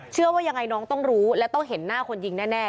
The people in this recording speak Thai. เชื่อว่ายังไงน้องต้องรู้และต้องเห็นหน้าคนยิงแน่